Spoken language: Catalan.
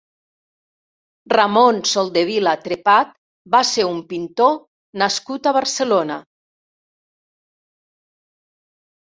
Ramon Soldevila Trepat va ser un pintor nascut a Barcelona.